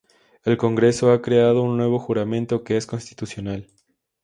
El Congreso ha creado un nuevo juramento que es constitucional.